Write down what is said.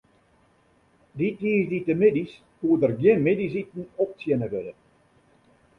Dy tiisdeitemiddeis koe der gjin middeisiten optsjinne wurde.